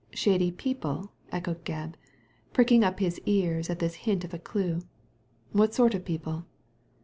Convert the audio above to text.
" Shady people !" echoed Gebb, pricking up his ears at this hint of a clue ;" what sort of people